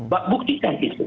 buk buktikan itu